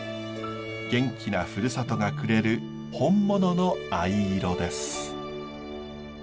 元気なふるさとがくれる本物の藍色です。